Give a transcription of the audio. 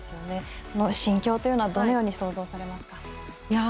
その心境というのはどのように想像されますか？